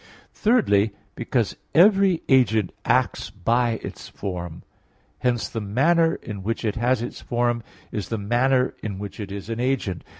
Thirdly, because every agent acts by its form; hence the manner in which it has its form is the manner in which it is an agent.